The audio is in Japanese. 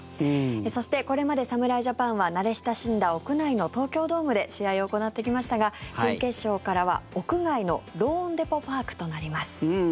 そして、これまで侍ジャパンは慣れ親しんだ屋内の東京ドームで試合を行ってきましたが準決勝からは屋外のローンデポ・パークとなります。